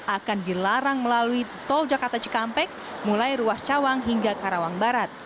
akan dilarang melalui tol jakarta cikampek mulai ruas cawang hingga karawang barat